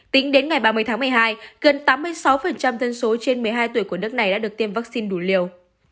tính đến ngày ba mươi tháng một mươi hai gần tám mươi sáu dân số trên một mươi hai tuổi của nước này đã được tiêm vaccine đủ liều